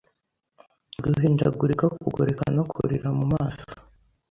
Guhindagurika kugoreka no kurira mumaso